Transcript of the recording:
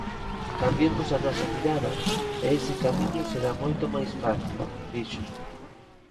Cambiemos a nosa mirada, e ese camiño será moito máis fácil, dixo.